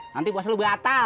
nanti puasa lu batal